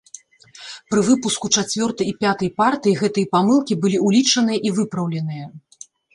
Пры выпуску чацвёртай і пятай партыі гэтыя памылкі былі улічаныя і выпраўленыя.